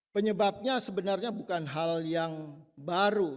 penyebabnya sebenarnya bukan hal yang baru